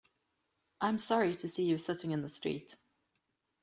I am sorry to see you sitting in the street.